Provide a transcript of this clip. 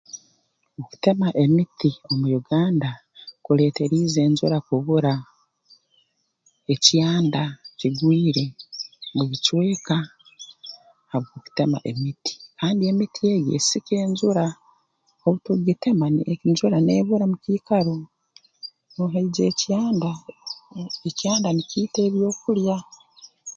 Okutema emiti omu Uganda kuleeteriize enjura kubura ekyanda kigwire mu bicweka habw'okutema emiti kandi emiti egi esika enjura obutukugitema enjura neebura mu kiikaro obu haija ekyanda ekyanda nikiita ebyokulya